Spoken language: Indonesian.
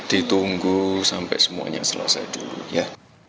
ditunggu sampai semuanya selesai dulu ya